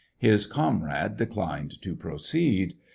" His comrade dechned to proceed.